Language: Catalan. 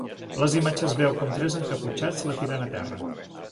A les imatges es veu com tres encaputxats la tiren a terra.